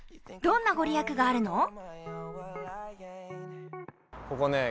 どんな御利益があるの？